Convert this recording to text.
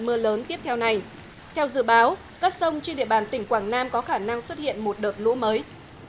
mưa lớn tiếp theo này theo dự báo các sông trên địa bàn tỉnh quảng nam có khả năng xuất hiện một đợt lũ mới